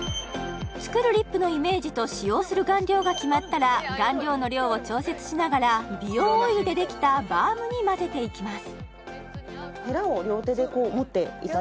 作るリップのイメージと使用する顔料が決まったら顔料の量を調節しながら美容オイルでできたバームに混ぜていきます